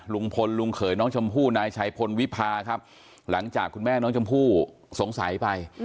ลุงพลลุงเขยน้องชมพู่นายชัยพลวิพาครับหลังจากคุณแม่น้องชมพู่สงสัยไป